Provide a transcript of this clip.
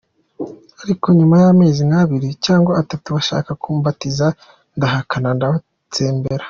Ariko nyuma y’amezi nk’abiri cyangwa atatu, bashaka kumbatiza ndahakana ndabatsembera.